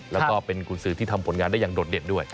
แล้วก็เป็นกุญสือที่ทำผลงานได้อย่างโดดเด่นด้วย